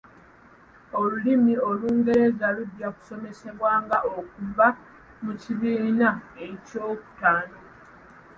Olulimi Olungereza lujja kusomezebwanga okuva mu kibiina ekyokutaano.